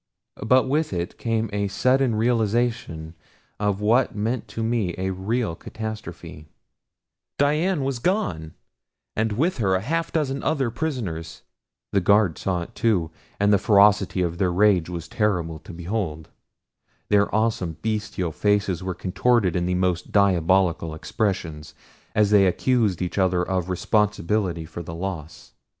But with it came a sudden realization of what meant to me a real catastrophe Dian was gone, and with her a half dozen other prisoners. The guards saw it too, and the ferocity of their rage was terrible to behold. Their awesome, bestial faces were contorted in the most diabolical expressions, as they accused each other of responsibility for the loss.